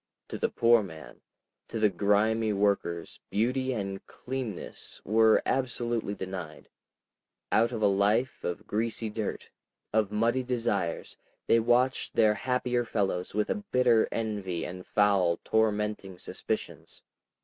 To the poor man, to the grimy workers, beauty and cleanness were absolutely denied; out of a life of greasy dirt, of muddied desires, they watched their happier fellows with a bitter envy and foul, tormenting suspicions.